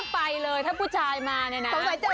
บินได้ก็จะบิน